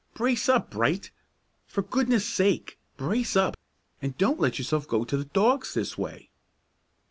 Brace up, Bright! For goodness' sake, brace up, and don't let yourself go to the dogs this way!"